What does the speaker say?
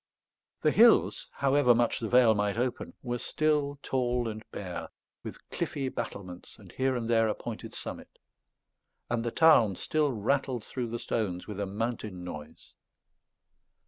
The hills, however much the vale might open, were still tall and bare, with cliffy battlements and here and there a pointed summit; and the Tarn still rattled through the stones with a mountain noise.